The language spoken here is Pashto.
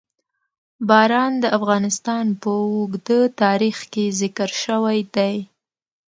باران د افغانستان په اوږده تاریخ کې ذکر شوی دی.